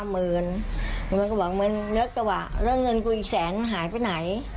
มันก็บอกมันเลือกเท่าว่าแล้วเงินกูอีกแสนมันหายไปไหน